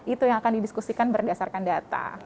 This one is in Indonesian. itu yang akan didiskusikan berdasarkan data